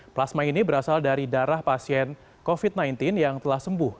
plasma ini berasal dari darah pasien covid sembilan belas yang telah sembuh